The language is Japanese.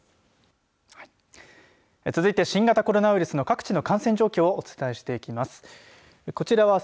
続いて新型コロナウイルスの各地の感染状況をお伝えしていきます。